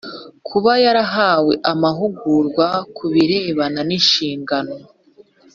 kuba yarahawe amahugurwa ku birebana n’inshingano